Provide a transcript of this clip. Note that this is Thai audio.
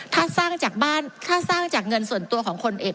ถ้าสร้างจากบ้านถ้าสร้างจากเงินส่วนตัวของคนเอก